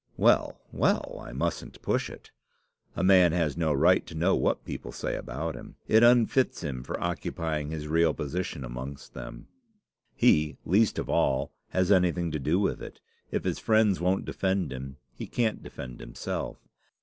"Well, well! I mustn't push it. A man has no right to know what people say about him. It unfits him for occupying his real position amongst them. He, least of all, has anything to do with it. If his friends won't defend him, he can't defend himself.